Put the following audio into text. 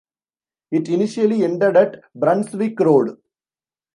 It initially ended at Brunswick Road.